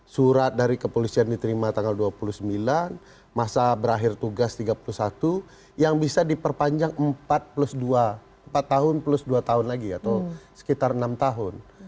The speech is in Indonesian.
surat dari kepolisian diterima tanggal dua puluh sembilan masa berakhir tugas tiga puluh satu yang bisa diperpanjang empat plus dua empat tahun plus dua tahun lagi atau sekitar enam tahun